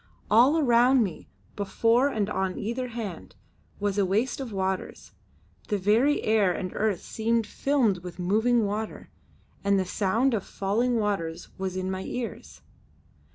All around me, before and on either hand, was a waste of waters; the very air and earth seemed filmed with moving water, and the sound of falling waters was in my ears.